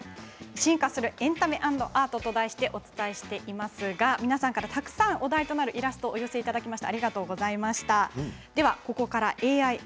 進化するエンタメアンドアートと題してお伝えしていますが皆さんから、たくさんお題となるイラストをお寄せいただきました。